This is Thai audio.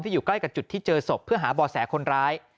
อยู่ใกล้กับจุดที่เจอศพเพื่อหาบ่อแสคนร้าย